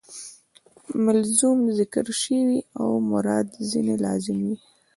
ملزوم ذکر سي او مراد ځني لازم يي.